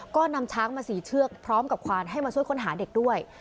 ก็นำช้างมา๔เชือกพร้อมกับควานให้มาช่วยค้นหาเด็กด้วย